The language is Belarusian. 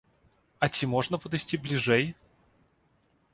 А ці можна падысці бліжэй?